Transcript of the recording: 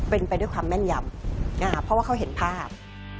เป็นไปด้วยความแม่นยำนะคะเพราะว่าเขาเห็นภาพ